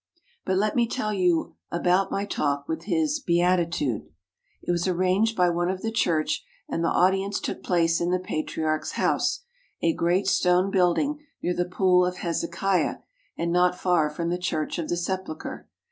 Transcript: But let me tell you about my talk with His Beatitude. 102 A TALK WITH THE GREEK PATRIARCH It was arranged by one of the church and the audience took place in the Patriarch's house, a great stone build ing near the Pool of Hezekiah and not far from the Church of the Sepulchre.